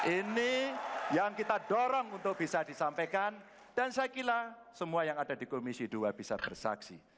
ini yang kita dorong untuk bisa disampaikan dan saya kira semua yang ada di komisi dua bisa bersaksi